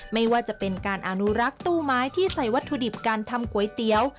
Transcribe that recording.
ไม่ว่าจะเป็นการอนุรักษ์ตู้ไม้ที่ใส่วัตถุดิบการทำก๋วยเตี๋ยว